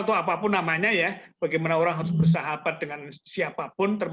atau apapun namanya ya bagaimana orang harus bersahabat dengan siapapun